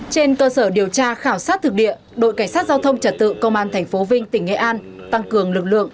trên cơ sở điều tra khảo sát thực địa đội cảnh sát giao thông trật tự công an tp vinh tỉnh nghệ an tăng cường lực lượng